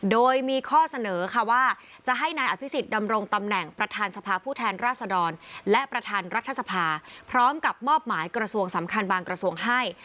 โดยมีข้อเสนอค่ะว่าจะให้นายอภิษฎดำรงตำแหน่งประธานสภาผู้แทนราษดรและประธานรัฐสภาพร้อมกับมอบหมายกระทรวงสำคัญบางกระทรวงให้